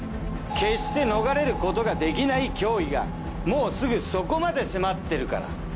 決して逃れることができない脅威がもうすぐそこまで迫ってるから。